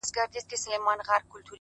• پر لړمون مي چړې گرځي زړه مي شين دئ ,